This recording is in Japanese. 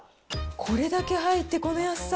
これだけ入ってこの安さ。